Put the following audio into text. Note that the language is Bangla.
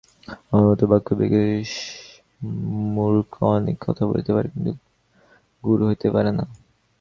আমার মত বাক্যবাগীশ মূর্খ অনেক কথা বলিতে পারে, কিন্তু গুরু হইতে পারে না।